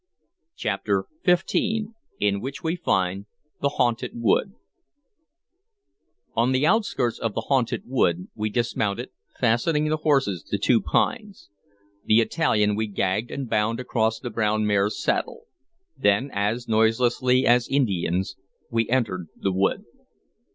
CHAPTER XV IN WHICH WE FIND THE HAUNTED WOOD ON the outskirts of the haunted wood we dismounted, fastening the horses to two pines. The Italian we gagged and bound across the brown mare's saddle. Then, as noiselessly as Indians, we entered the wood.